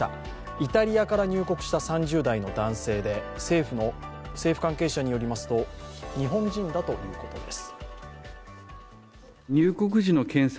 イタリアから入国した３０代の男性で政府関係者によりますと日本人だということです。